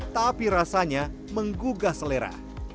tapi rasanya menggugah selera